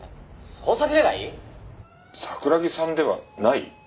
桜木さんではない？